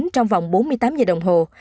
trong vòng bốn mươi tám giờ đồng hồ